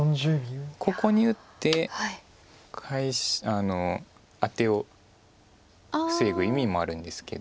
ここに打ってアテを防ぐ意味もあるんですけど。